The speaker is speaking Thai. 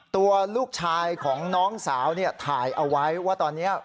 ตัวลูกชายของน้องสาวถ่ายเอาไว้ว่าตอนนี้